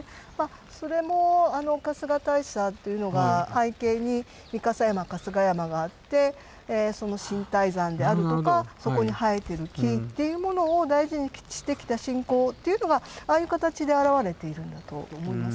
それもあの春日大社っていうのが背景に御蓋山春日山があってその神体山であるとかそこに生えてる木っていうものを大事にしてきた信仰っていうのがああいう形で表れているんだと思います。